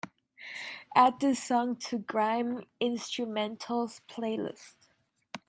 add this song to grime instrumentals playlist